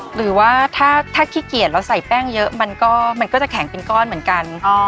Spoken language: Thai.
หรือว่าถ้าขี้เกียจเราใส่แป้งเยอะมันก็จะแข็งเป็นก้อนเหมือนกัน